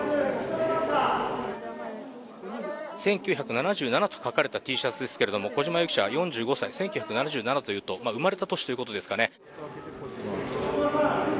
１９７７と書かれたＴシャツですけれども小島容疑者は４５歳、１９７７というと生まれた年ということですかね。